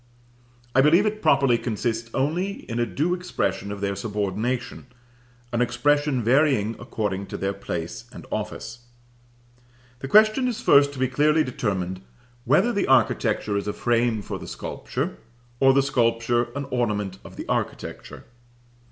I believe it properly consists only in a due expression of their subordination, an expression varying according to their place and office. The question is first to be clearly determined whether the architecture is a frame for the sculpture, or the sculpture an ornament of the architecture.